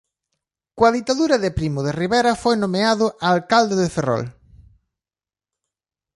Coa ditadura de Primo de Rivera foi nomeado alcalde de Ferrol.